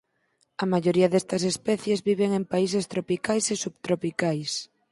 A maioría destas especies viven en países tropicais e subtropicais.